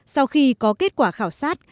sau khi có kết quả khảo sát